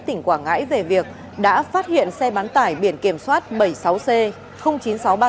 tỉnh quảng ngãi về việc đã phát hiện xe bán tải biển kiểm soát bảy mươi sáu c chín nghìn sáu trăm ba mươi